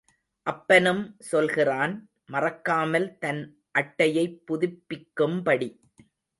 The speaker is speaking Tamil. அப்பனும் சொல்கிறான் மறக்காமல் தன் அட்டையைப் புதுப்பிக்கும் படி.